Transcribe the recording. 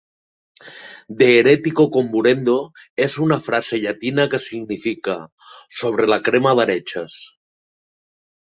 De heretico comburendo és una frase llatina que significa "Sobre la crema d'heretges".